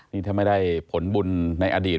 นี่ถ้าไม่ได้ผลบุญในอดีต